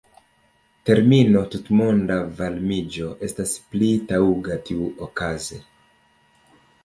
Termino tutmonda varmiĝo estas pli taŭga tiuokaze.